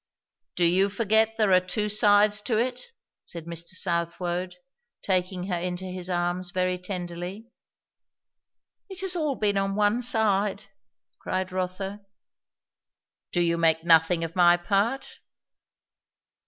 "Do you forget there are two sides to it?" said Mr. Southwode, taking her in his arms very tenderly. "It has all been on one side!" cried Rotha. "Do you make nothing of my part?"